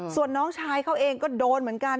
ส่วนน้องชายเขาเองก็โดนเหมือนกัน